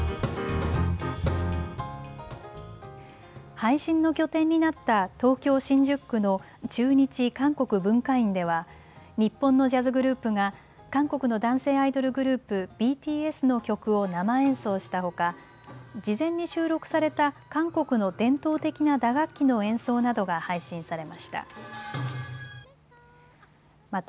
配信の拠点になった東京新宿区の駐日韓国文化院では日本のジャズグループが韓国の男性アイドルグループ、ＢＴＳの曲を生演奏したほか事前に収録された韓国の伝統的な打楽器の演奏などが配信されました。